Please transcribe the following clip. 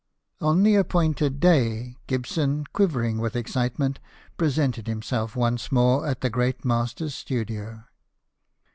On the appointed day, Gibson, quivering with excitement, presented himself once more at the great master's studio.